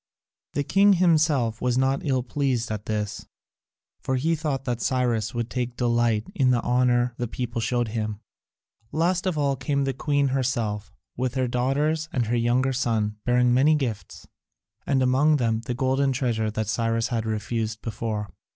The king himself was not ill pleased at this, for he thought that Cyrus would take delight in the honour the people showed him. Last of all came the queen herself, with her daughters and her younger son, bearing many gifts, and among them the golden treasure that Cyrus had refused before.